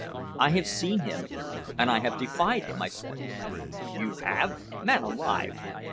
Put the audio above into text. "I have seen him, and I have defied him," I said. "You have! Man alive!